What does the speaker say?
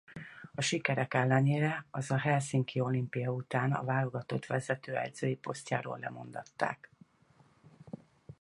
A sikerek ellenére az a helsinki olimpia után a válogatott vezetőedzői posztjáról lemondatták.